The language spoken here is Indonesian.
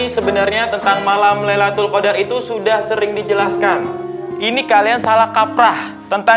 sebenarnya tentang malam laylatul qadar itu sudah sering dijelaskan ini kalian salah kaprah tentang